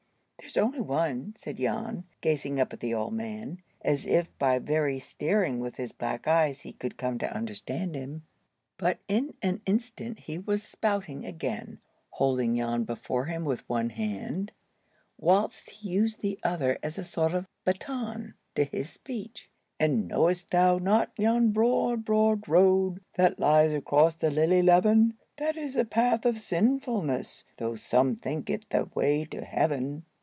"There's only one," said Jan, gazing up at the old man, as if by very staring with his black eyes he could come to understand him. But in an instant he was spouting again, holding Jan before him with one hand, whilst he used the other as a sort of bâton to his speech:— "And know'st thou not yon broad, broad road That lies across the lily levin? That is the path of sinfulness, Though some think it the way to heaven."